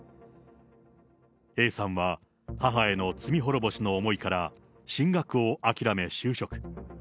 Ａさんは母への罪滅ぼしの思いから、進学を諦め就職。